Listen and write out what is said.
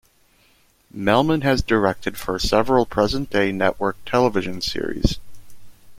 Melman has directed for several present-day network television series.